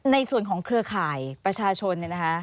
ในส่วนของเครือข่ายประชาชน